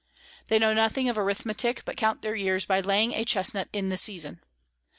They know nothing of Arithmetick, but count their Years by laying by a Chesnut in the Season.